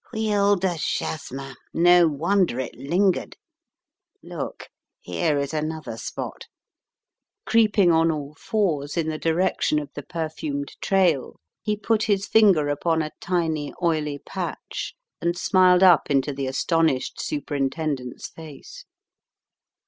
"Huile de jasmin! No wonder it lingered. Look, here is another spot," creeping on all fours in the direction of the perfumed trail, he put his finger upon a tiny oily patch and smiled up into the astonished Superintendent's face.